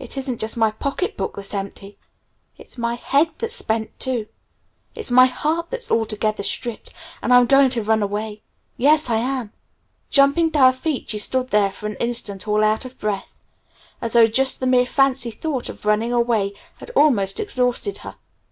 It isn't just my pocket book that's empty: it's my head that's spent, too! It's my heart that's altogether stripped! And I'm going to run away! Yes, I am!" Jumping to her feet she stood there for an instant all out of breath, as though just the mere fancy thought of running away had almost exhausted her.